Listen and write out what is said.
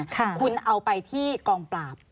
คุณเอาไปที่กองปราบ